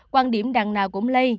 quan điểm đằng nào cũng lây